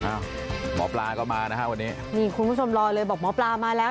หมอปลาก็มานะฮะวันนี้นี่คุณผู้ชมรอเลยบอกหมอปลามาแล้ว